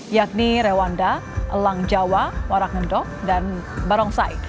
yakni rewanda elang jawa warangendok dan barongsai